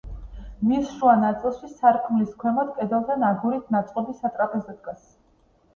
მის შუა ნაწილში, სარკმლის ქვემოთ, კედელთან აგურით ნაწყობი სატრაპეზო დგას.